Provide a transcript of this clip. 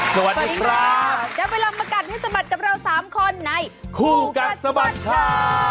สวัสดีครับได้เวลามากัดให้สะบัดกับเราสามคนในคู่กัดสะบัดข่าว